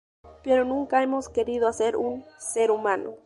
Pero nunca hemos querido hacer un "Ser humano!!